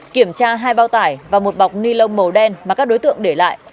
kiểm tra hai bao tải và một bọc ni lông màu đen mà các đối tượng để lại